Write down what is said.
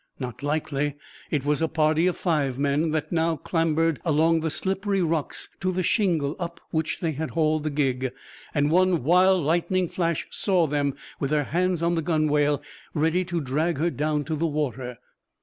Not likely! It was a party of five men that now clambered along the slippery rocks to the shingle up which they had hauled the gig, and one wild lightning flash saw them with their hands on the gunwale, ready to drag her down to the water.